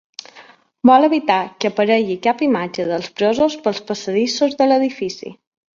Vol evitar que aparegui cap imatge dels presos pels passadissos de l’edifici.